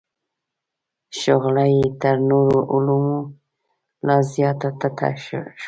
شغله یې تر نورو علومو لا زیاته تته شوه.